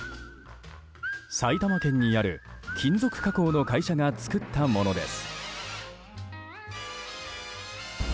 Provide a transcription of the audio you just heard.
埼玉県にある金属加工の会社が作ったものです。